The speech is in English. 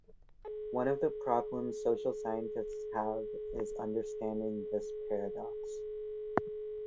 One of the problems social scientists have is understanding this paradox.